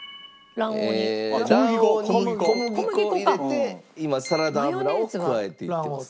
卵黄に小麦粉を入れて今サラダ油を加えていっています。